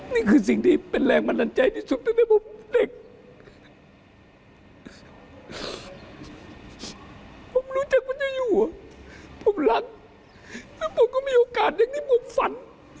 ในใกล้จิตไม่ได้อยู่อยู่ใต้ประมาณท่าน